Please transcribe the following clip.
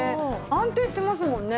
安定してますもんね。